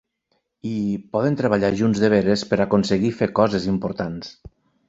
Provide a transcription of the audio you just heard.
I poden treballar junts de veres per aconseguir fer coses importants.